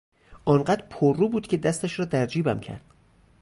آنقدر پررو بود که دستش را در جیبم کرد.